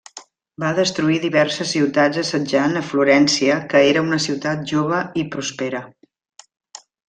Va destruir diverses ciutats assetjant a Florència que era una ciutat jove i prospera.